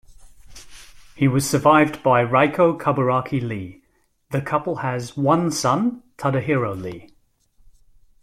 He was survived by Reiko Kaburaki Lee; the couple has one son, Tadahiro Lee.